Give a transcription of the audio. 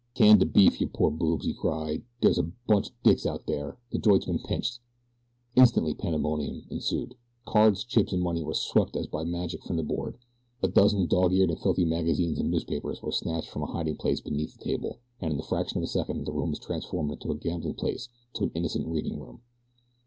"Can de beef, you poor boobs," he cried. "Dere's a bunch o' dicks out dere de joint's been pinched." Instantly pandemonium ensued. Cards, chips, and money were swept as by magic from the board. A dozen dog eared and filthy magazines and newspapers were snatched from a hiding place beneath the table, and in the fraction of a second the room was transformed from a gambling place to an innocent reading room.